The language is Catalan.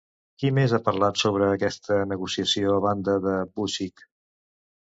Qui més ha parlat sobre aquesta negociació, a banda de Vučić?